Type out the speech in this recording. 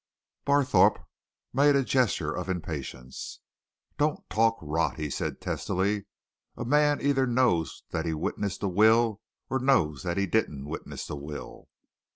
Barthorpe made a gesture of impatience. "Don't talk rot!" he said testily. "A man either knows that he witnessed a will or knows that he didn't witness a will."